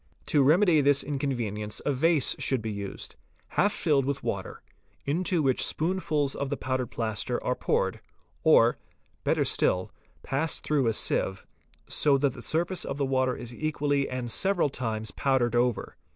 To remedy Fig. 100. this inconvenience a vase should be used, half filled with water, into which spoonfuls of the powdered plaster are poured, or, better still, passed through a sieve, so that the surface of the water is equally and several times powdered over.